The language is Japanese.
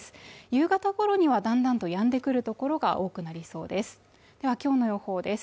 夕方頃にはだんだんとやんでくる所が多くなりそうです